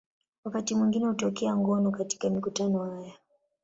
Wakati mwingine hutokea ngono katika mikutano haya.